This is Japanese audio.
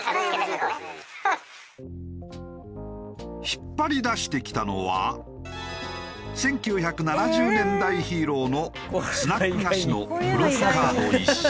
引っ張り出してきたのは１９７０年代ヒーローのスナック菓子の付録カード一式。